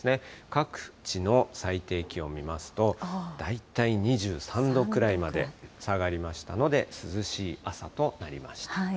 各地の最低気温見ますと、大体２３度くらいまで下がりましたので、涼しい朝となりました。